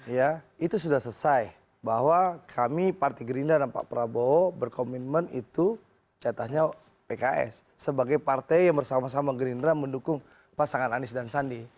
ya itu sudah selesai bahwa kami partai gerindra dan pak prabowo berkomitmen itu catatnya pks sebagai partai yang bersama sama gerindra mendukung pasangan anies dan sandi